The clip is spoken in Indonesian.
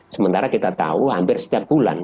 sementara kita tahu hampir setiap bulan